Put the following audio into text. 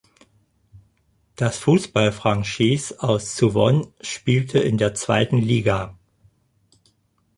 Das Fußballfranchise aus Suwon spielte in der zweiten Liga.